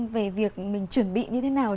về việc mình chuẩn bị như thế nào